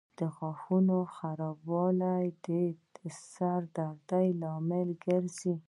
د غاښونو خرابوالی د سر درد لامل ګرځي.